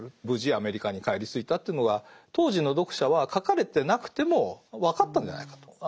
無事アメリカに帰り着いたというのが当時の読者は書かれてなくても分かったんじゃないかと。